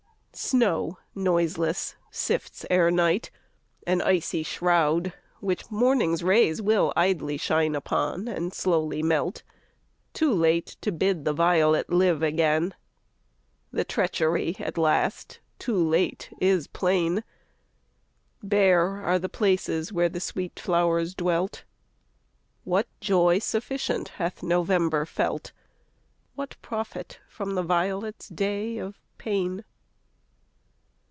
Snow noiseless sifts Ere night, an icy shroud, which morning's rays Willidly shine upon and slowly melt, Too late to bid the violet live again. The treachery, at last, too late, is plain; Bare are the places where the sweet flowers dwelt. What joy sufficient hath November felt? What profit from the violet's day of pain?